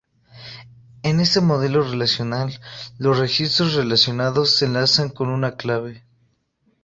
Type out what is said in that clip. En este modelo relacional los registros relacionados se enlazan con una "clave".